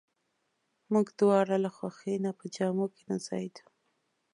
موږ دواړه له خوښۍ نه په جامو کې نه ځایېدو.